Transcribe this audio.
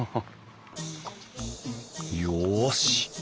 よし！